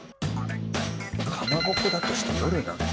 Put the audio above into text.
かまぼこだとして夜なんだ。